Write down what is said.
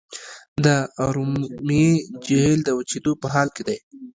د ارومیې جهیل د وچیدو په حال کې دی.